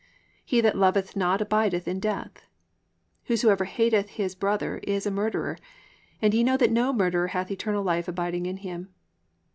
He that loveth not abideth in death. (15) Whosoever hateth his brother is a murderer: and ye know that no murderer hath eternal life abiding in him.